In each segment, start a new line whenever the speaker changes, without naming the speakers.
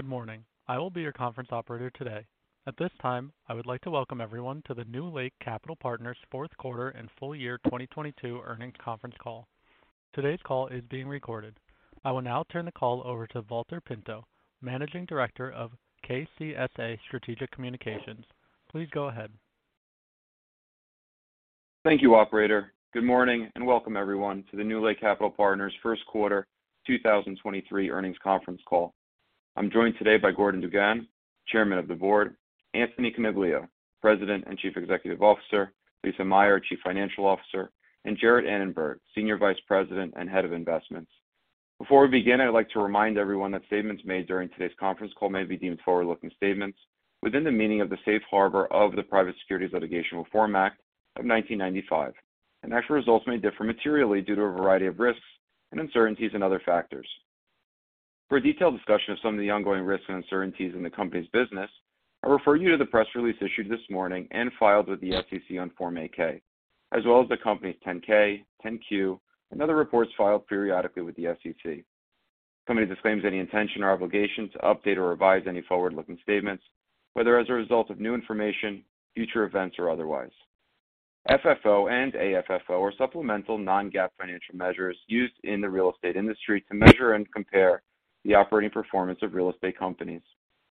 Good morning. I will be your conference operator today. At this time, I would like to welcome everyone to the NewLake Capital Partners 4th quarter and full year 2022 earnings conference call. Today's call is being recorded. I will now turn the call over to Valter Pinto, Managing Director of KCSA Strategic Communications. Please go ahead.
Thank you, operator. Good morning, and welcome everyone to the NewLake Capital Partners Q1 2023 earnings conference call. I'm joined today by Gordon DuGan, Chairman of the Board, Anthony Coniglio, President and Chief Executive Officer, Lisa Meyer, Chief Financial Officer, and Jarrett Annenberg, Senior Vice President and Head of Investments. Before we begin, I'd like to remind everyone that statements made during today's conference call may be deemed forward-looking statements within the meaning of the safe harbor of the Private Securities Litigation Reform Act of 1995. Actual results may differ materially due to a variety of risks and uncertainties and other factors. For a detailed discussion of some of the ongoing risks and uncertainties in the company's business, I refer you to the press release issued this morning and filed with the SEC on Form 8-K, as well as the company's 10-K, 10-Q, and other reports filed periodically with the SEC. The company disclaims any intention or obligation to update or revise any forward-looking statements, whether as a result of new information, future events or otherwise. FFO and AFFO are supplemental non-GAAP financial measures used in the real estate industry to measure and compare the operating performance of real estate companies.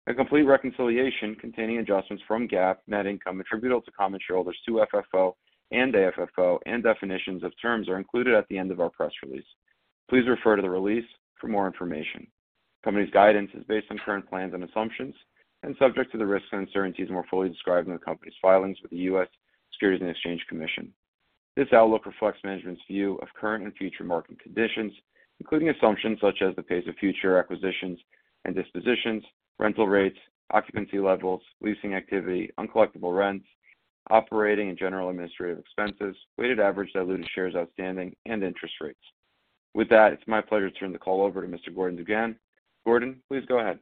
A complete reconciliation containing adjustments from GAAP net income attributable to common shareholders to FFO and AFFO, and definitions of terms are included at the end of our press release. Please refer to the release for more information. Company's guidance is based on current plans and assumptions, and subject to the risks and uncertainties more fully described in the company's filings with the US Securities and Exchange Commission. This outlook reflects management's view of current and future market conditions, including assumptions such as the pace of future acquisitions and dispositions, rental rates, occupancy levels, leasing activity, uncollectible rents, operating and general administrative expenses, weighted average diluted shares outstanding, and interest rates. With that, it's my pleasure to turn the call over to Mr. Gordon DuGan. Gordon, please go ahead.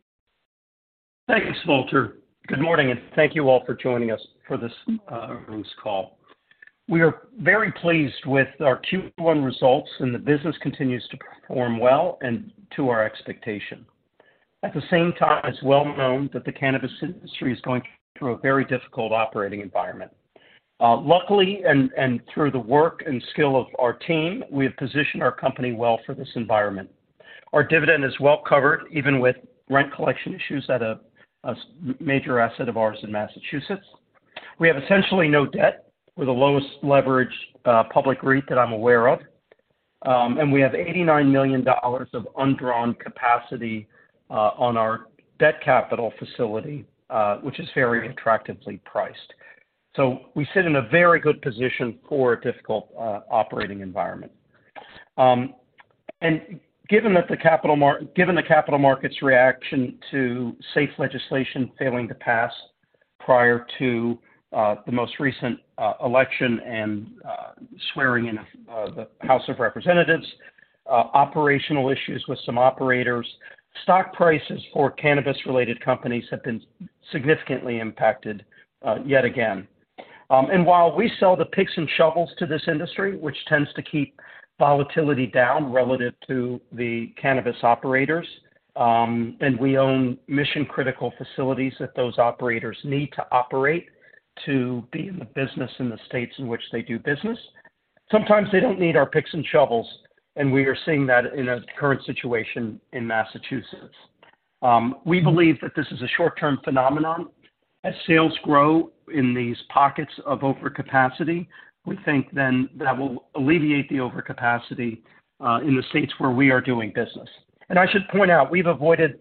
Thank you, Valter. Good morning, and thank you all for joining us for this earnings call. We are very pleased with our Q1 results, and the business continues to perform well and to our expectation. At the same time, it's well known that the cannabis industry is going through a very difficult operating environment. Luckily and through the work and skill of our team, we have positioned our company well for this environment. Our dividend is well covered even with rent collection issues at a major asset of ours in Massachusetts. We have essentially no debt. We're the lowest-leverage public REIT that I'm aware of. And we have $89 million of undrawn capacity on our debt capital facility, which is very attractively priced. We sit in a very good position for a difficult operating environment. Given the capital market's reaction to SAFE legislation failing to pass prior to the most recent election and swearing in of the House of Representatives, operational issues with some operators, stock prices for cannabis-related companies have been significantly impacted yet again. While we sell the picks and shovels to this industry, which tends to keep volatility down relative to the cannabis operators, and we own mission-critical facilities that those operators need to operate to be in the business in the states in which they do business, sometimes they don't need our picks and shovels, and we are seeing that in a current situation in Massachusetts. We believe that this is a short-term phenomenon. As sales grow in these pockets of overcapacity, we think then that will alleviate the overcapacity in the states where we are doing business. I should point out, we've avoided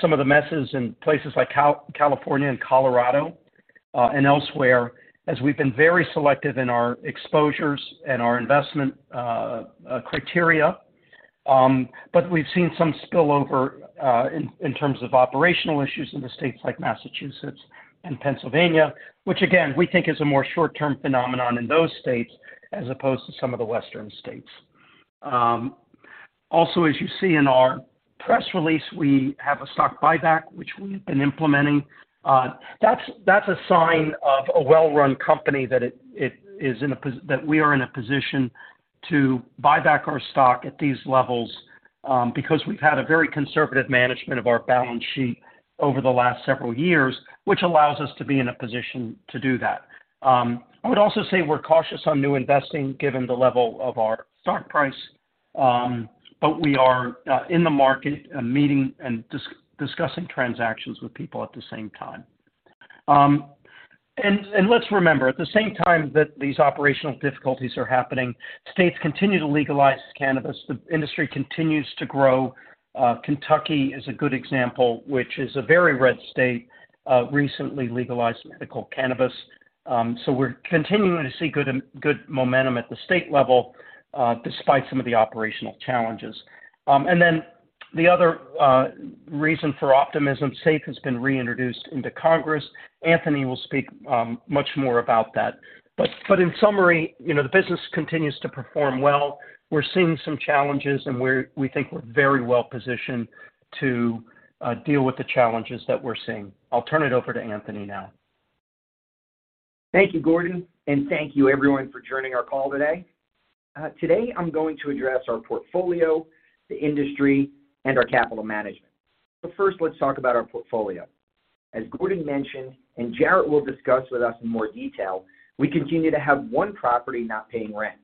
some of the messes in places like California and Colorado and elsewhere as we've been very selective in our exposures and our investment criteria. We've seen some spillover in terms of operational issues in the states like Massachusetts and Pennsylvania, which again, we think is a more short-term phenomenon in those states as opposed to some of the Western states. Also, as you see in our press release, we have a stock buyback, which we've been implementing. That's a sign of a well-run company that it is in a position that we are in a position to buy back our stock at these levels, because we've had a very conservative management of our balance sheet over the last several years, which allows us to be in a position to do that. I would also say we're cautious on new investing given the level of our stock price, but we are in the market and meeting and discussing transactions with people at the same time. Let's remember, at the same time that these operational difficulties are happening, states continue to legalize cannabis. The industry continues to grow. Kentucky is a good example, which is a very red state, recently legalized medical cannabis. We're continuing to see good momentum at the state level, despite some of the operational challenges. The other, reason for optimism, SAFE has been reintroduced into Congress. Anthony will speak, much more about that. In summary, you know, the business continues to perform well. We're seeing some challenges, and we think we're very well positioned to, deal with the challenges that we're seeing. I'll turn it over to Anthony now.
Thank you, Gordon, and thank you everyone for joining our call today. Today I'm going to address our portfolio, the industry, and our capital management. First, let's talk about our portfolio. As Gordon mentioned, and Jarrett will discuss with us in more detail, we continue to have one property not paying rent.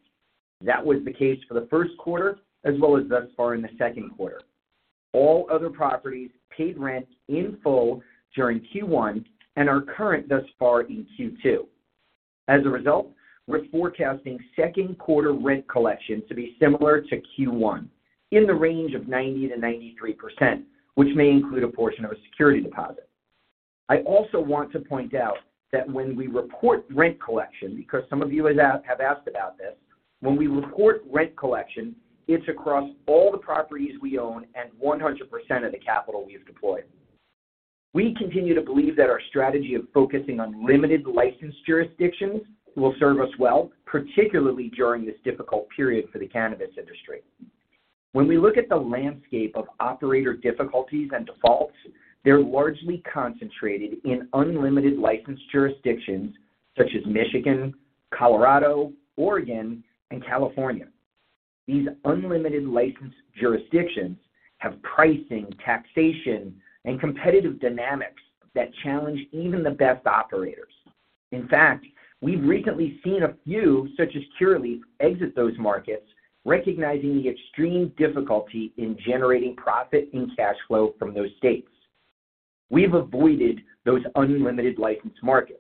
That was the case for the Q1 as well as thus far in the Q2. All other properties paid rent in full during Q1 and are current thus far in Q2. As a result, we're forecasting the Q2 rent collections to be similar to Q1 in the range of 90%-93%, which may include a portion of a security deposit. I also want to point out that when we report rent collection, because some of you have asked about this, when we report rent collection, it's across all the properties we own and 100% of the capital we've deployed. We continue to believe that our strategy of focusing on limited licensed jurisdictions will serve us well, particularly during this difficult period for the cannabis industry. When we look at the landscape of operator difficulties and defaults, they're largely concentrated in unlimited licensed jurisdictions such as Michigan, Colorado, Oregon, and California. These unlimited licensed jurisdictions have pricing, taxation, and competitive dynamics that challenge even the best operators. In fact, we've recently seen a few, such as Curaleaf, exit those markets, recognizing the extreme difficulty in generating profit and cash flow from those states. We've avoided those unlimited licensed markets.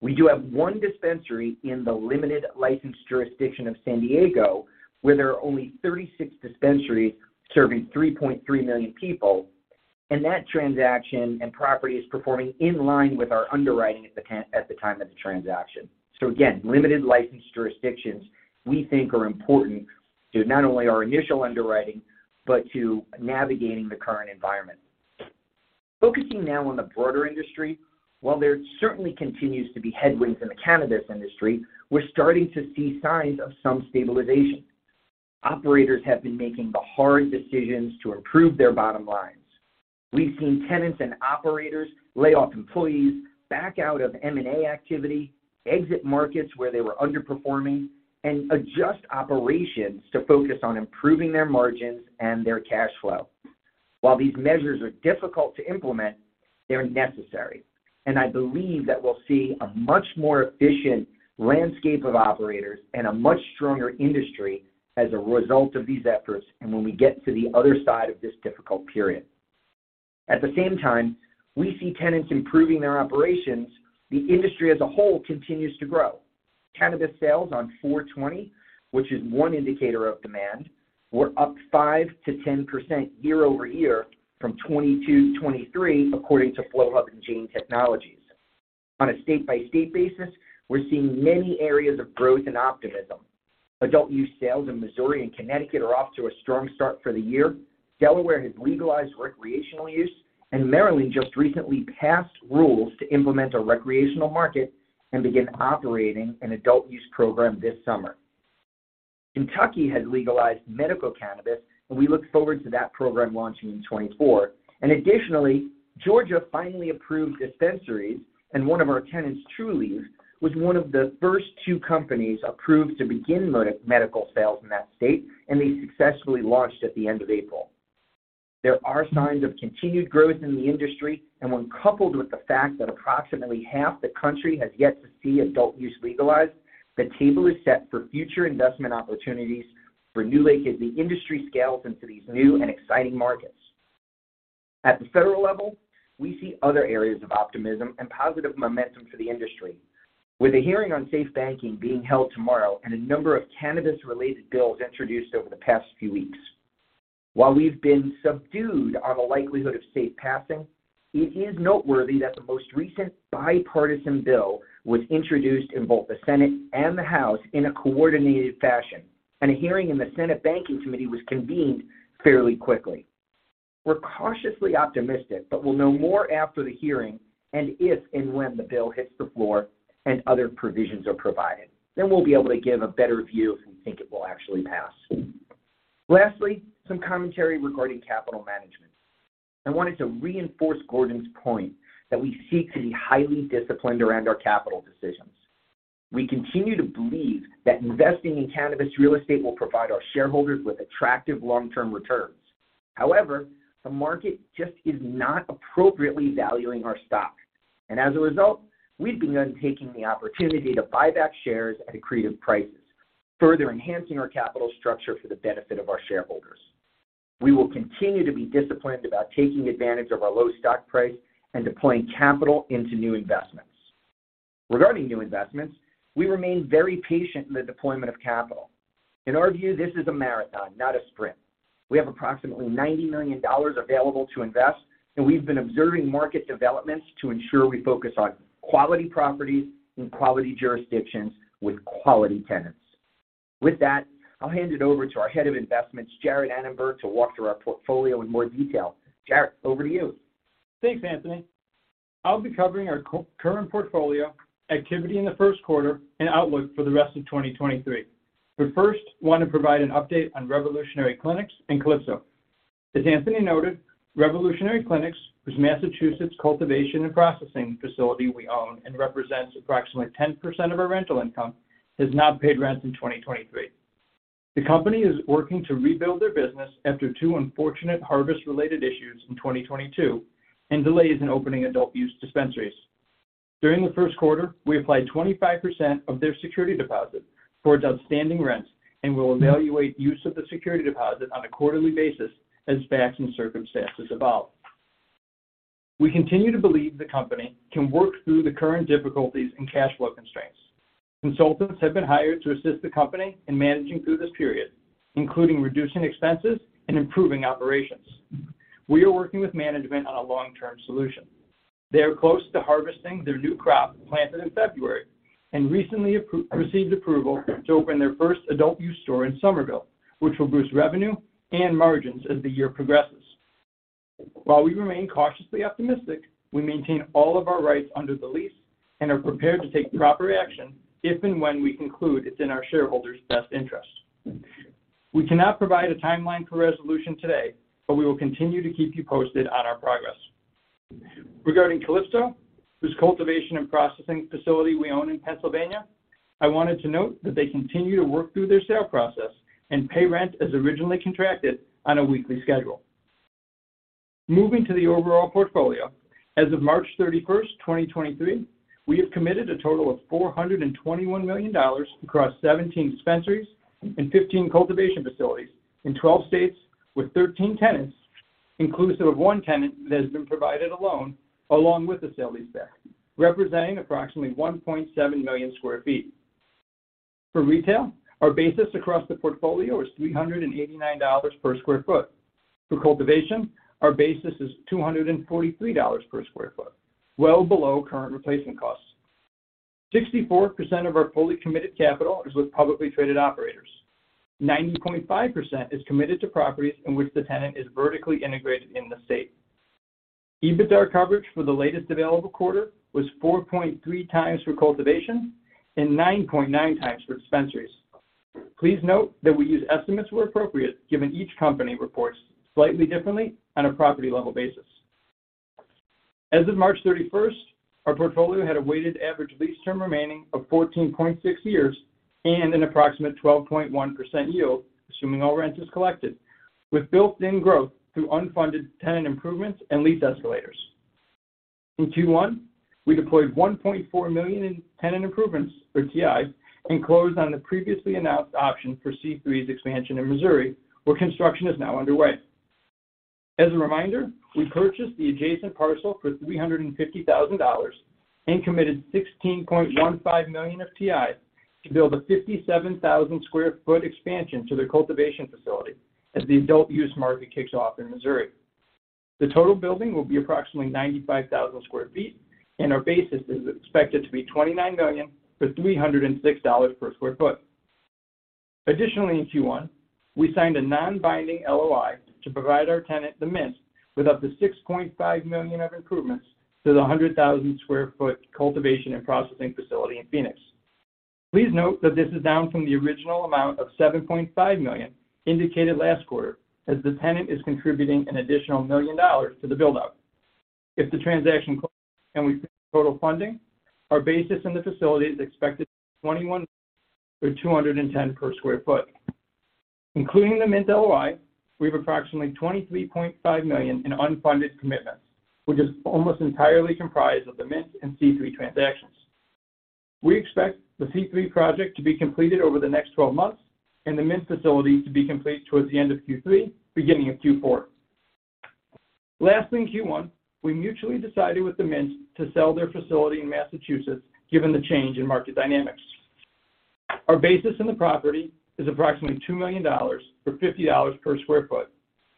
We do have one dispensary in the limited licensed jurisdiction of San Diego, where there are only 36 dispensaries serving $3.3 million people. That transaction and property is performing in line with our underwriting at the time of the transaction. Again, limited licensed jurisdictions, we think are important to not only our initial underwriting but to navigating the current environment. Focusing now on the broader industry. While there certainly continues to be headwinds in the cannabis industry, we're starting to see signs of some stabilization. Operators have been making the hard decisions to improve their bottom lines. We've seen tenants and operators lay off employees, back out of M&A activity, exit markets where they were underperforming, and adjust operations to focus on improving their margins and their cash flow. While these measures are difficult to implement, they're necessary. I believe that we'll see a much more efficient landscape of operators and a much stronger industry as a result of these efforts and when we get to the other side of this difficult period. At the same time, we see tenants improving their operations, the industry as a whole continues to grow. Cannabis sales on 4/20, which is one indicator of demand, were up 5%-10% year-over-year from 2022 to 2023, according to Flowhub and Jane Technologies. On a state-by-state basis, we're seeing many areas of growth and optimism. Adult-use sales in Missouri and Connecticut are off to a strong start for the year. Delaware has legalized recreational use. Maryland just recently passed rules to implement a recreational market and begin operating an adult-use program this summer. Kentucky has legalized medical cannabis, and we look forward to that program launching in 2024. Additionally, Georgia finally approved dispensaries, and one of our tenants, Trulieve, was one of the first two companies approved to begin medical sales in that state, and they successfully launched at the end of April. There are signs of continued growth in the industry, and when coupled with the fact that approximately half the country has yet to see adult-use legalized, the table is set for future investment opportunities for NewLake as the industry scales into these new and exciting markets. At the federal level, we see other areas of optimism and positive momentum for the industry. With a hearing on safe banking being held tomorrow and a number of cannabis-related bills introduced over the past few weeks. While we've been subdued on the likelihood of SAFE passing, it is noteworthy that the most recent bipartisan bill was introduced in both the Senate and the House in a coordinated fashion, and a hearing in the Senate Banking Committee was convened fairly quickly. We're cautiously optimistic, but we'll know more after the hearing and if and when the bill hits the floor and other provisions are provided, then we'll be able to give a better view if we think it will actually pass. Lastly, some commentary regarding capital management. I wanted to reinforce Gordon's point that we seek to be highly disciplined around our capital decisions. We continue to believe that investing in cannabis real estate will provide our shareholders with attractive long-term returns. The market just is not appropriately valuing our stock. As a result, we've begun taking the opportunity to buy back shares at accretive prices, further enhancing our capital structure for the benefit of our shareholders. We will continue to be disciplined about taking advantage of our low stock price and deploying capital into new investments. Regarding new investments, we remain very patient in the deployment of capital. In our view, this is a marathon, not a sprint. We have approximately $90 million available to invest. We've been observing market developments to ensure we focus on quality properties in quality jurisdictions with quality tenants. With that, I'll hand it over to our Head of Investments, Jarrett Annenberg, to walk through our portfolio in more detail. Jarrett, over to you.
Thanks, Anthony. I'll be covering our co-current portfolio, activity in the first quarter, and outlook for the rest of 2023. First, want to provide an update on Revolutionary Clinics and Calypso. As Anthony Coniglio noted, Revolutionary Clinics, whose Massachusetts cultivation and processing facility we own and represents approximately 10% of our rental income, has not paid rent in 2023. The company is working to rebuild their business after two unfortunate harvest-related issues in 2022 and delays in opening adult-use dispensaries. During the Q1, we applied 25% of their security deposit towards outstanding rents and will evaluate use of the security deposit on a quarterly basis as facts and circumstances evolve. We continue to believe the company can work through the current difficulties and cash flow constraints. Consultants have been hired to assist the company in managing through this period, including reducing expenses and improving operations. We are working with management on a long-term solution. They are close to harvesting their new crop planted in February and recently received approval to open their first adult-use store in Somerville, which will boost revenue and margins as the year progresses. While we remain cautiously optimistic, we maintain all of our rights under the lease and are prepared to take proper action if and when we conclude it's in our shareholders' best interest. We cannot provide a timeline for resolution today, but we will continue to keep you posted on our progress. Regarding Calypso, whose cultivation and processing facility we own in Pennsylvania, I wanted to note that they continue to work through their sale process and pay rent as originally contracted on a weekly schedule. Moving to the overall portfolio, as of March 31, 2023, we have committed a total of $421 million across 17 dispensaries and 15 cultivation facilities in 12 states with 13 tenants, inclusive of one tenant that has been provided a loan along with the sale leaseback, representing approximately 1.7 million sq ft. For retail, our basis across the portfolio is $389 per square foot. For cultivation, our basis is $243 per square foot, well below current replacement costs. 64% of our fully committed capital is with publicly traded operators. 90.5% is committed to properties in which the tenant is vertically integrated in the state. EBITDA coverage for the latest available quarter was 4.3 times for cultivation and 9.9 times for dispensaries. Please note that we use estimates where appropriate, given each company reports slightly differently on a property-level basis. As of March 31st, our portfolio had a weighted average lease term remaining of 14.6 years and an approximate 12.1% yield, assuming all rent is collected, with built-in growth through unfunded tenant improvements and lease escalators. In Q1, we deployed $1.4 million in tenant improvements, or TI, and closed on the previously announced option for C3 Industries's expansion in Missouri, where construction is now underway. As a reminder, we purchased the adjacent parcel for $350,000 and committed $16.15 million of TI to build a 57,000 sq ft expansion to their cultivation facility as the adult use market kicks off in Missouri. The total building will be approximately 95,000 sq ft and our basis is expected to be $29 million for $306 per square foot. In Q1, we signed a non-binding LOI to provide our tenant, The Mint, with up to $6.5 million of improvements to the 100,000 sq ft cultivation and processing facility in Phoenix. Please note that this is down from the original amount of $7.5 million indicated last quarter as the tenant is contributing an additional $1 million to the build-out. If the transaction closes and we total funding, our basis in the facility is expected to be $21 million for $210 per square foot. Including the Mint LOI, we have approximately $23.5 million in unfunded commitments, which is almost entirely comprised of the Mint and C3 Industries transactions.
We expect the C3 Industries project to be completed over the next 12 months and the Mint facility to be complete towards the end of Q3, beginning of Q4. Last in Q1, we mutually decided with the Mint to sell their facility in Massachusetts given the change in market dynamics. Our basis in the property is approximately $2 million for $50 per sq ft,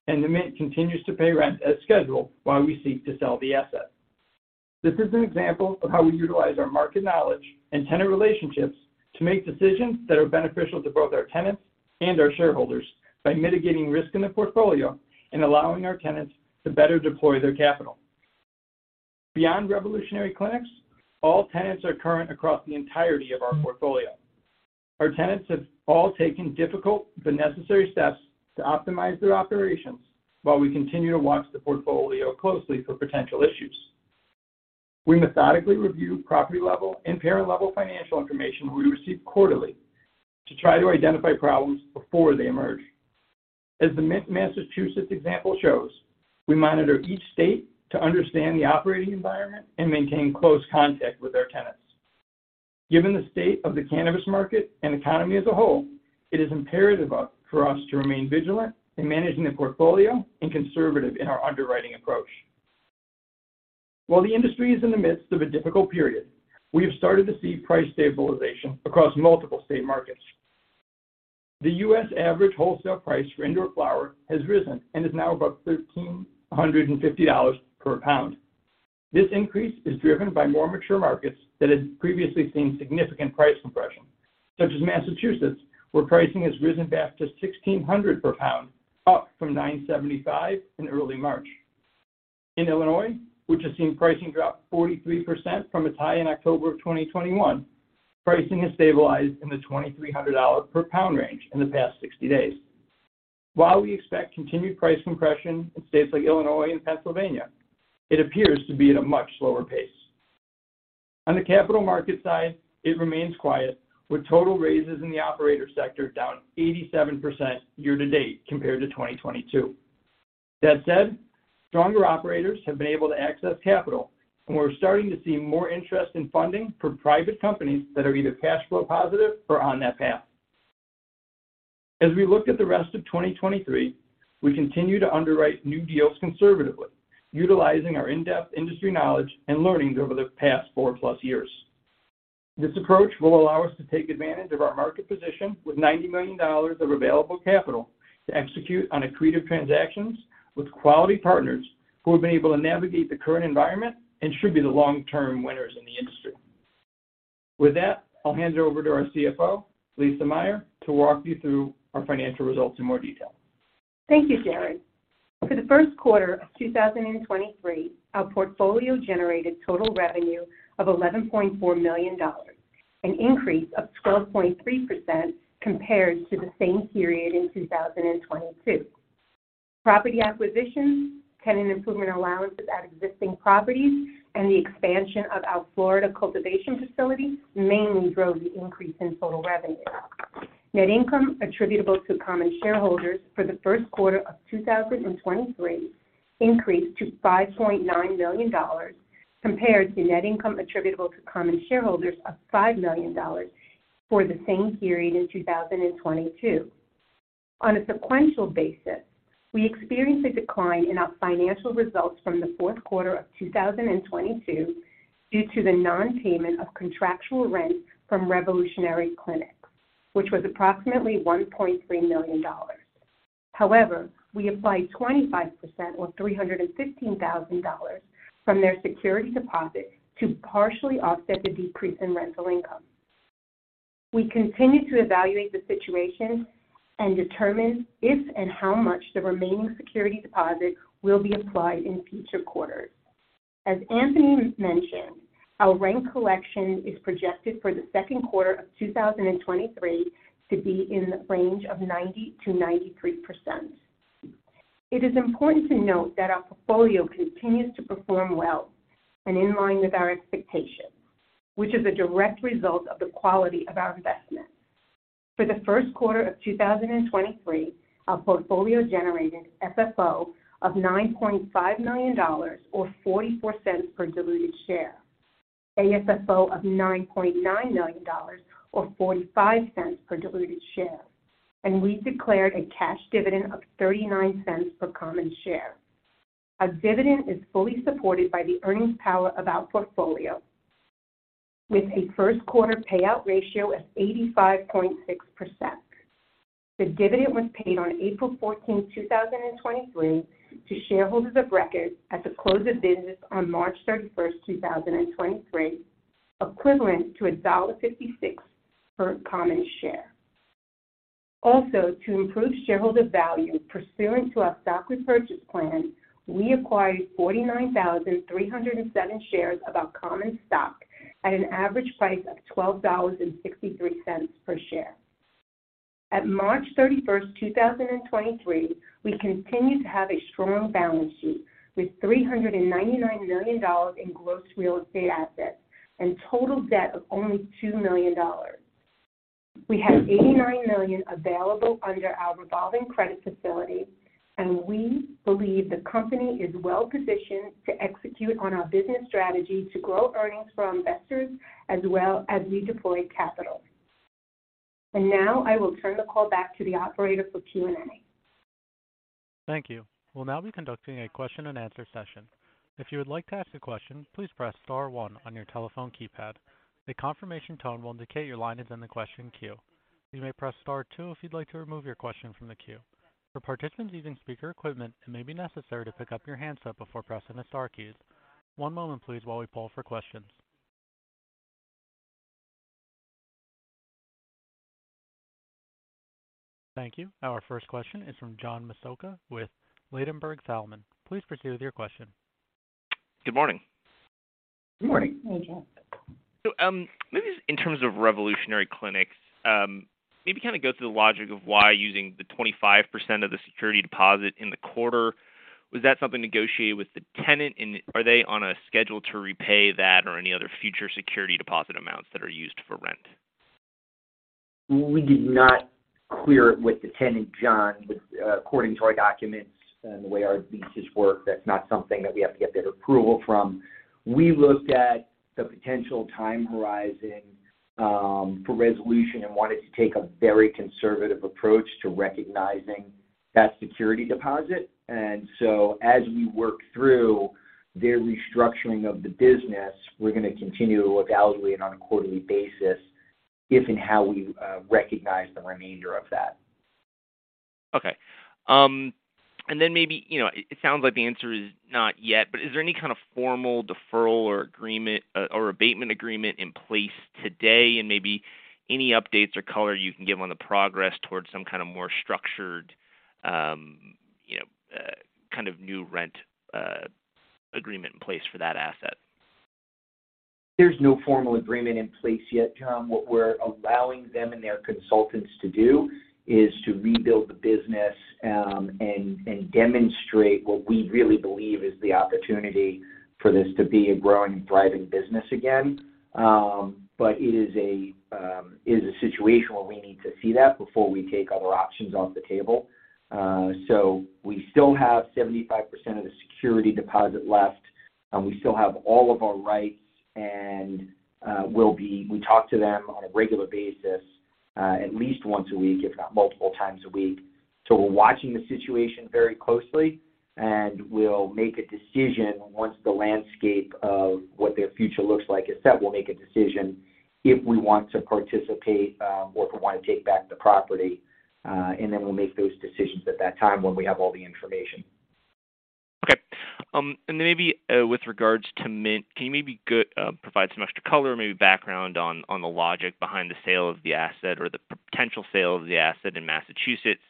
and the Mint continues to pay rent as scheduled while we seek to sell the asset. Beyond Revolutionary Clinics, all tenants are current across the entirety of our portfolio.
Our tenants have all taken difficult but necessary steps to optimize their operations while we continue to watch the portfolio closely for potential issues. We methodically review property-level and parent-level financial information we receive quarterly to try to identify problems before they emerge. As the Mint Massachusetts example shows, we monitor each state to understand the operating environment and maintain close contact with our tenants. Given the state of the cannabis market and economy as a whole, it is imperative for us to remain vigilant in managing the portfolio and conservative in our underwriting approach. While the industry is in the midst of a difficult period, we have started to see price stabilization across multiple state markets. The US average wholesale price for indoor flower has risen and is now above $1,350 per pound. This increase is driven by more mature markets that had previously seen significant price compression, such as Massachusetts, where pricing has risen back to $1,600 per pound, up from $975 in early March. In Illinois, which has seen pricing drop 43% from its high in October of 2021, pricing has stabilized in the $2,300 per pound range in the past 60 days. While we expect continued price compression in states like Illinois and Pennsylvania, it appears to be at a much slower pace. On the capital market side, it remains quiet with total raises in the operator sector down 87% year-to-date compared to 2022. That said, stronger operators have been able to access capital, and we're starting to see more interest in funding for private companies that are either cash flow positive or on that path. As we look at the rest of 2023, we continue to underwrite new deals conservatively, utilizing our in-depth industry knowledge and learnings over the past 4+ years. This approach will allow us to take advantage of our market position with $90 million of available capital to execute on accretive transactions with quality partners who have been able to navigate the current environment and should be the long-term winners in the industry. With that, I'll hand it over to our CFO, Lisa Meyer, to walk you through our financial results in more detail.
Thank you, Jarrett. For the Q1 2023, our portfolio generated total revenue of $11.4 million, an increase of 12.3% compared to the same period in 2022. Property acquisitions, tenant improvement allowances at existing properties, and the expansion of our Florida cultivation facility mainly drove the increase in total revenue. Net income attributable to common shareholders for the Q1 2023 increased to $5.9 million compared to net income attributable to common shareholders of $5 million for the same period in 2022. On a sequential basis, we experienced a decline in our financial results from the Q4 2022 due to the non-payment of contractual rent from Revolutionary Clinics, which was approximately $1.3 million. However, we applied 25% or $315,000 from their security deposit to partially offset the decrease in rental income. We continue to evaluate the situation and determine if and how much the remaining security deposit will be applied in future quarters. As Anthony Coniglio mentioned, our rent collection is projected for the Q2 2023 to be in the range of 90%-93%. It is important to note that our portfolio continues to perform well and in line with our expectations, which is a direct result of the quality of our investments. For the Q1 2023, our portfolio generated FFO of $9.5 million or $0.44 per diluted share, AFFO of $9.9 million or $0.45 per diluted share, and we declared a cash dividend of $0.39 per common share. Our dividend is fully supported by the earnings power of our portfolio with a Q1 payout ratio of 85.6%. The dividend was paid on April 14, 2023 to shareholders of record at the close of business on March 31, 2023, equivalent to $1.56 per common share. Also, to improve shareholder value pursuant to our stock repurchase plan, we acquired 49,307 shares of our common stock at an average price of $12.63 per share. At March 31st, 2023, we continue to have a strong balance sheet with $399 million in gross real estate assets and total debt of only $2 million. We have $89 million available under our revolving credit facility, and we believe the company is well-positioned to execute on our business strategy to grow earnings for our investors as well as redeploy capital. Now I will turn the call back to the operator for Q&A.
Thank you. We'll now be conducting a question and answer session. If you would like to ask a question, please press star one on your telephone keypad. A confirmation tone will indicate your line is in the question queue. You may press star two if you'd like to remove your question from the queue. For participants using speaker equipment, it may be necessary to pick up your handset before pressing the star keys. One moment, please, while we poll for questions. Thank you. Our first question is from John Massocca with Ladenburg Thalmann. Please proceed with your question.
Good morning.
Good morning.
Good morning, John.
Maybe just in terms of Revolutionary Clinics, maybe kind of go through the logic of why using the 25% of the security deposit in the quarter. Was that something negotiated with the tenant? Are they on a schedule to repay that or any other future security deposit amounts that are used for rent?
We did not clear it with the tenant, John. According to our documents and the way our leases work, that's not something that we have to get their approval from. We looked at the potential time horizon, for resolution and wanted to take a very conservative approach to recognizing that security deposit. As we work through their restructuring of the business, we're gonna continue to evaluate on a quarterly basis if and how we recognize the remainder of that. Okay. Then maybe, you know, it sounds like the answer is not yet, but is there any kind of formal deferral or agreement or abatement agreement in place today? Maybe any updates or color you can give on the progress towards some kind of more structured, you know, kind of new rent agreement in place for that asset? There's no formal agreement in place yet, Tom. What we're allowing them and their consultants to do is to rebuild the business, and demonstrate what we really believe is the opportunity for this to be a growing and thriving business again. It is a situation where we need to see that before we take other options off the table. We still have 75% of the security deposit left, and we still have all of our rights, and we talk to them on a regular basis, at least once a week, if not multiple times a week. We're watching the situation very closely, and we'll make a decision once the landscape of what their future looks like is set, we'll make a decision if we want to participate, or if we wanna take back the property, and then we'll make those decisions at that time when we have all the information.
Okay. Maybe with regards to Mint, can you provide some extra color, maybe background on the logic behind the sale of the asset or the potential sale of the asset in Massachusetts?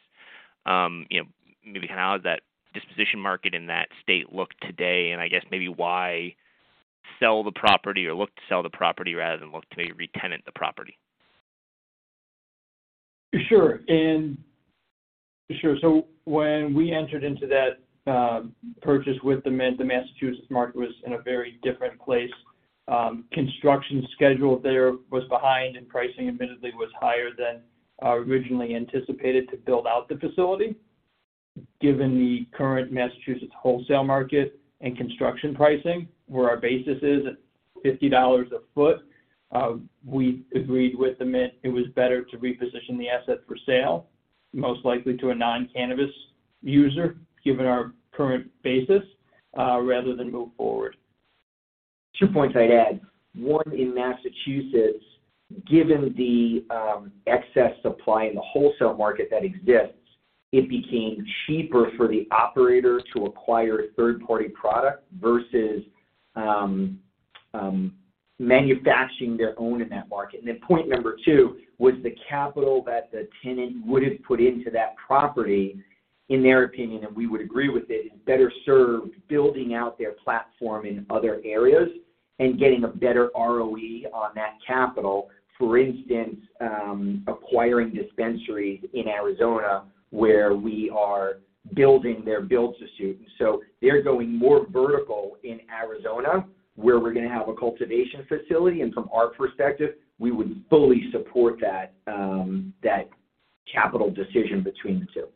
You know, maybe kind of how does that disposition market in that state look today? I guess maybe why sell the property or look to sell the property rather than look to re-tenant the property?
Sure. When we entered into that purchase with the Mint, the Massachusetts market was in a very different place. Construction schedule there was behind, and pricing admittedly was higher than originally anticipated to build out the facility. Given the current Massachusetts wholesale market and construction pricing, where our basis is at $50 a foot, we agreed with the Mint it was better to reposition the asset for sale, most likely to a non-cannabis user, given our current basis, rather than move forward.
Two points I'd add. One, in Massachusetts, given the excess supply in the wholesale market that exists, it became cheaper for the operator to acquire a third-party product versus manufacturing their own in that market. Point number two was the capital that the tenant would have put into that property, in their opinion, and we would agree with it, is better served building out their platform in other areas and getting a better ROE on that capital. For instance, acquiring dispensaries in Arizona, where we are building their build-to-suit. They're going more vertical in Arizona, where we're gonna have a cultivation facility, and from our perspective, we would fully support that capital decision between the two.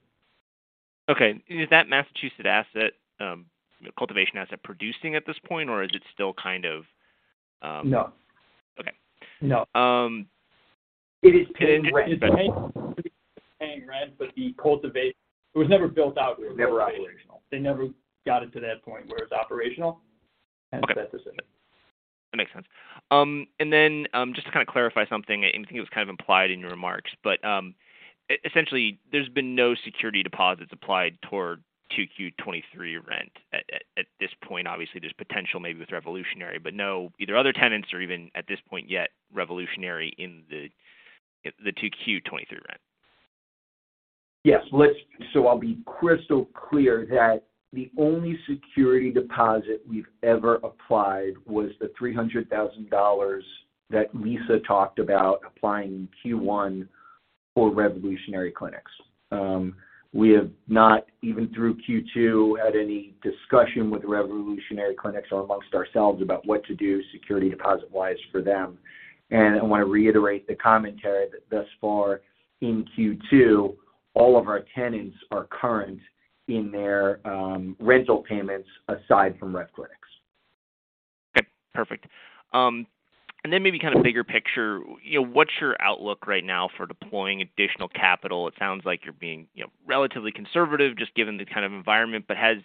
Okay. Is that Massachusetts asset, you know, cultivation asset producing at this point, or is it still kind of?
No.
Okay.
No. It is paying rent.
It's paying rent. It was never built out.
Never operational.
They never got it to that point where it's operational.
Okay.
Hence, that decision.
That makes sense. Just to kind of clarify something, and I think it was kind of implied in your remarks, but essentially, there's been no security deposits applied toward 2Q 2023 rent at this point. Obviously, there's potential maybe with Revolutionary, but no either other tenants or even at this point yet, Revolutionary in the 2Q 2023 rent.
Yes. I'll be crystal clear that the only security deposit we've ever applied was the $300,000 that Lisa talked about applying in Q1 for Revolutionary Clinics. We have not, even through Q2, had any discussion with Revolutionary Clinics or amongst ourselves about what to do security deposit-wise for them. I wanna reiterate the commentary that thus far in Q2, all of our tenants are current in their rental payments aside from Rev Clinics.
Okay. Perfect. Then maybe kind of bigger picture, you know, what's your outlook right now for deploying additional capital? It sounds like you're being, you know, relatively conservative just given the kind of environment. Has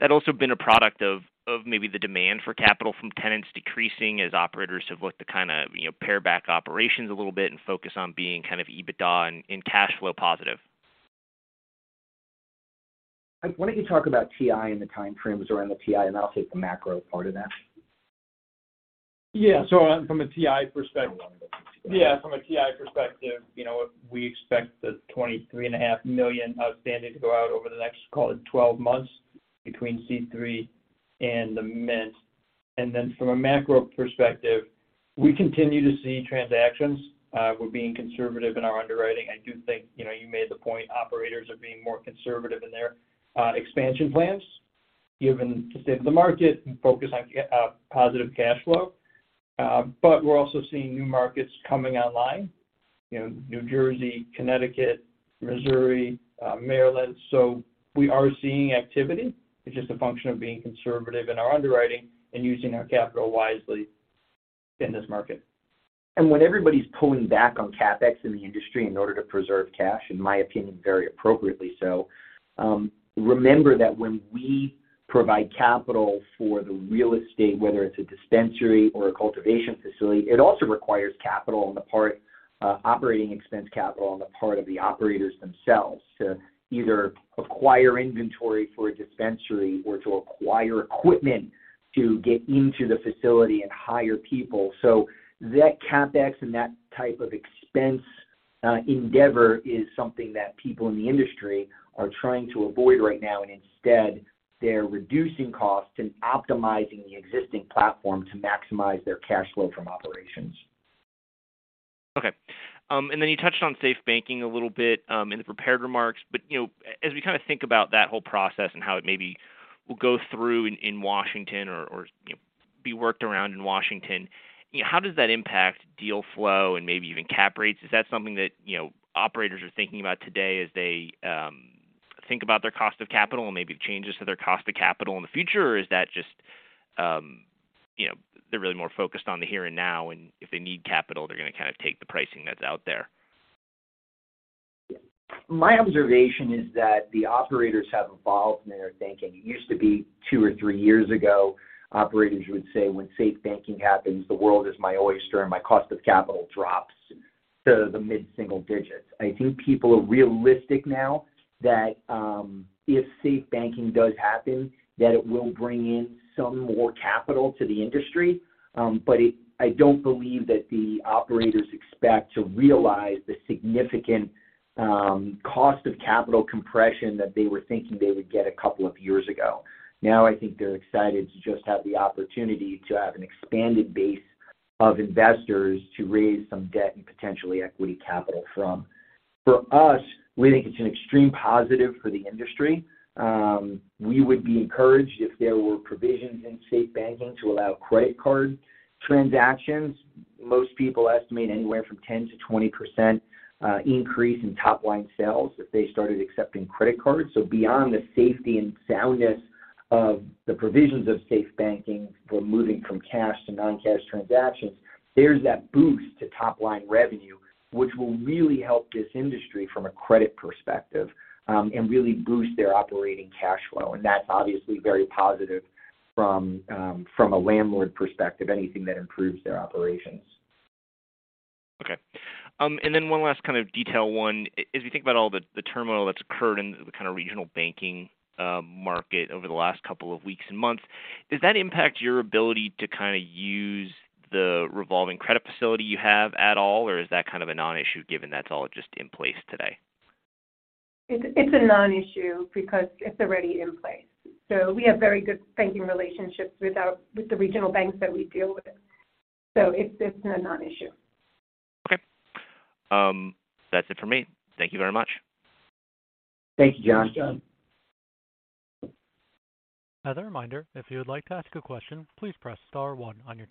that also been a product of maybe the demand for capital from tenants decreasing as operators have looked to kind of, you know, pare back operations a little bit and focus on being kind of EBITDA and cash flow positive?
Why don't you talk about TI and the time frames around the TI, and I'll take the macro part of that.
Yeah. From a TI perspective- I don't want to go through TI.
Yeah. From a TI perspective, you know, we expect the $23 and a half million outstanding to go out over the next, call it, 12 months between C3 Industries and The Mint. From a macro perspective, we continue to see transactions. We're being conservative in our underwriting. I do think, you know, you made the point, operators are being more conservative in their expansion plans, given the state of the market and focus on positive cash flow. We're also seeing new markets coming online, you know, New Jersey, Connecticut, Missouri, Maryland. We are seeing activity. It's just a function of being conservative in our underwriting and using our capital wisely in this market.
When everybody's pulling back on CapEx in the industry in order to preserve cash, in my opinion, very appropriately so, remember that when we provide capital for the real estate, whether it's a dispensary or a cultivation facility, it also requires capital on the part, operating expense capital on the part of the operators themselves to either acquire inventory for a dispensary or to acquire equipment to get into the facility and hire people. That CapEx and that type of expense endeavor is something that people in the industry are trying to avoid right now, and instead they're reducing costs and optimizing the existing platform to maximize their cash flow from operations.
Okay. Then you touched on SAFE Banking a little bit, in the prepared remarks, but, you know, as we kinda think about that whole process and how it maybe will go through in Washington or, you know, be worked around in Washington, you know, how does that impact deal flow and maybe even cap rates? Is that something that, you know, operators are thinking about today as they think about their cost of capital and maybe changes to their cost of capital in the future? Is that just, you know, they're really more focused on the here and now, and if they need capital, they're gonna kind of take the pricing that's out there?
My observation is that the operators have evolved in their thinking. It used to be two or three years ago, operators would say, when SAFE Banking happens, the world is my oyster and my cost of capital drops to the mid-single digits. I think people are realistic now that if SAFE Banking does happen, that it will bring in some more capital to the industry. I don't believe that the operators expect to realize the significant cost of capital compression that they were thinking they would get a couple of years ago. Now, I think they're excited to just have the opportunity to have an expanded base of investors to raise some debt and potentially equity capital from. For us, we think it's an extreme positive for the industry. We would be encouraged if there were provisions in SAFE banking to allow credit card transactions. Most people estimate anywhere from 10%-20% increase in top-line sales if they started accepting credit cards. Beyond the safety and soundness of the provisions of SAFE banking, we're moving from cash to non-cash transactions. There's that boost to top-line revenue, which will really help this industry from a credit perspective, and really boost their operating cash flow. That's obviously very positive from a landlord perspective, anything that improves their operations.
Okay. One last kind of detail one. As we think about all the turmoil that's occurred in the kind of regional banking market over the last couple of weeks and months, does that impact your ability to kind of use the revolving credit facility you have at all, or is that kind of a non-issue given that's all just in place today?
It's a non-issue because it's already in place. We have very good banking relationships with the regional banks that we deal with. It's a non-issue.
Okay. That's it for me. Thank you very much.
Thank you, John.
As a reminder, if you would like to ask a question, please press star one on your telephone.